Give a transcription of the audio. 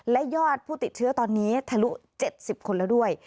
และยอดผู้ติดเชื้อตอนนี้ทะลุ๗๐คนแล้วด้วย